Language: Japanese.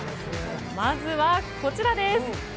まずはこちらです。